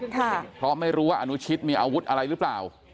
เพราะไม่รู้ว่าอนุชิตมีอาวุธอะไรหรือเปล่า